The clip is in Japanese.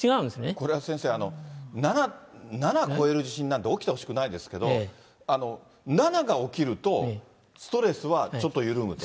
これは先生、７超える地震なんて起きてほしくないですけど、７が起きると、ストレスはちょっと緩むと？